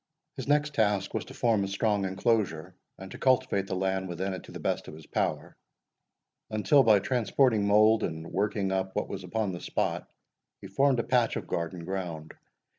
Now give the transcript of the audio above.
His next task was to form a strong enclosure, and to cultivate the land within it to the best of his power; until, by transporting mould, and working up what was upon the spot, he formed a patch of garden ground.